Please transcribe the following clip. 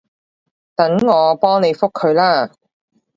等我幫你覆佢啦